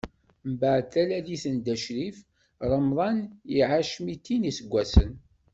Mbeɛd talalit n Dda Crif, Ramḍan iɛac mitin n iseggasen.